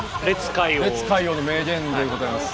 烈海王の名言でございます。